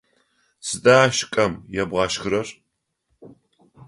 Сыда шкӏэм ебгъэшхырэр?